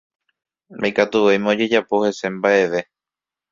Ndaikatuvéima ojejapo hese mbaʼeve.